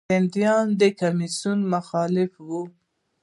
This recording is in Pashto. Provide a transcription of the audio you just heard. هندیانو د دې کمیسیون مخالفت وکړ.